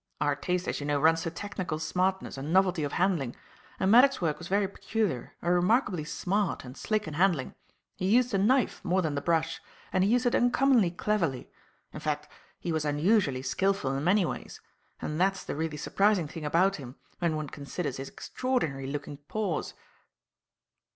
Our taste, as you know, runs to technical smartness and novelty of handling; and Maddock's work was very peculiar and remarkably smart and slick in handling. He used the knife more than the brush, and he used it uncommonly cleverly. In fact, he was unusually skilful in many ways; and that's the really surprising thing about him, when one considers his extraordinary looking paws."